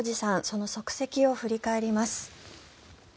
その足跡を振り返ります。